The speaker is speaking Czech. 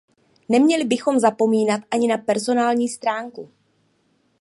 Neměli bychom zapomínat ani na personální stránku.